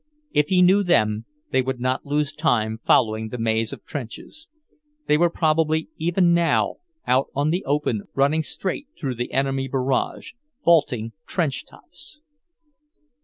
If he knew them, they would not lose time following the maze of trenches; they were probably even now out on the open, running straight through the enemy barrage, vaulting trench tops.